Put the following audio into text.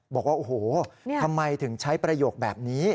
บอกว่าโอ้โหทำไมถึงใช้ประโยคแบบนี้